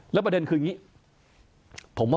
แล้วประเด็นคืออย่างนี้